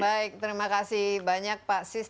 baik terima kasih banyak pak sis